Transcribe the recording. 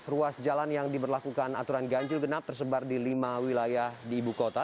tiga ruas jalan yang diberlakukan aturan ganjil genap tersebar di lima wilayah di ibu kota